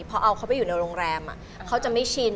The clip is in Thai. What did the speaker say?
เขาไปอยู่ในโรงแรมอะเขาจะไม่ชิน